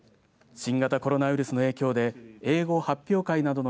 新型コロナウイルスの影響で英語発表会などの